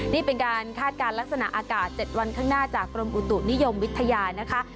นี่เป็นการคาดการณ์ลักษณะอากาศ๗วันข้างหน้าจากกรมอุตุนิยมวิทยานะคะ